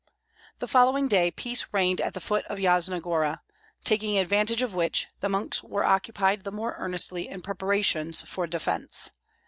The following day peace reigned at the foot of Yasna Gora; taking advantage of which, the monks were occupied the more earnestly in preparations for defence.